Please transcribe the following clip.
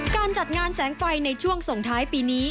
การจัดงานแสงไฟในช่วงส่งท้ายปีนี้